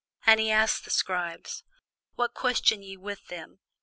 And he asked the scribes, What question ye with them?